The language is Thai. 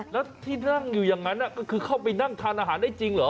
แล้วที่นั่งอยู่อย่างนั้นก็คือเข้าไปนั่งทานอาหารได้จริงเหรอ